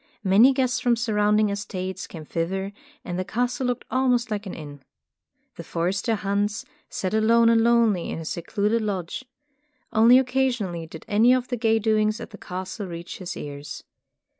Many guests from surrounding es tates came thither and the castle looked almost like an inn. The forester, Hans, sat alone and lonely in his secluded lodge. Only occasionally did any of the gay doings at the castle reach his ears.